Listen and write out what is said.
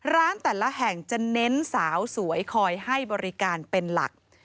ร้านแต่ละแห่งจะเน้นสาวสวยคอยให้บริการเป็นหลัก